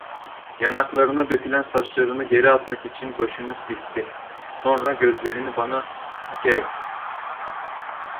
Yanaklarına dökülen saçlarını geri atmak için başını silkti, sonra gözlerini bana dikerek.